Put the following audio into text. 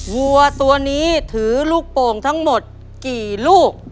วัวตัวนี้ถือลูกโป่งทั้งหมดกี่ลูก